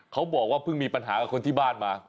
เขาบอกว่าเพิ่งมีปัญหากับคนที่บ้านมา